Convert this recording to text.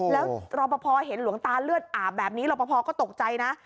แล้วรับประพอเห็นหลวงตาเลือดอาบแบบนี้รับประพอก็ตกใจนะ